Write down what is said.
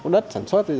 đất sản xuất